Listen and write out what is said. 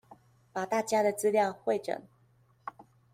把大家的資料彙整